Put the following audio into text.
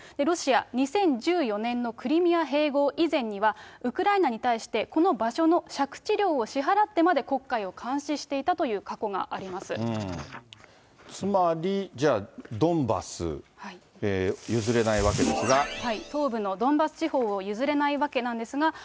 ロシア、２０１４年のクリミア併合以前には、ウクライナに対して、この場所の借地料を支払って迄黒海を監視していたという過去があつまりじゃあ、ドンバス、譲れないわけですが。